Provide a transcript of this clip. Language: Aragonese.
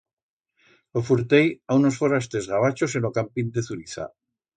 Lo furtei a unos forasters gavachos en o cámping de Zuriza.